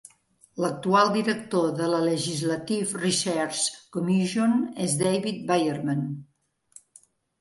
L'actual director de la Legislative Research Commission és David Byerman.